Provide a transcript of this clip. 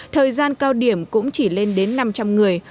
thời gian cao điểm cũng chỉ lên đến năm trăm linh người